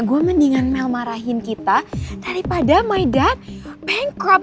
gue mendingan mel marahin kita daripada my dad bankrupt